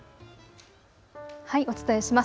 お伝えします。